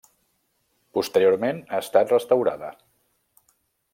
Posteriorment ha estat restaurada.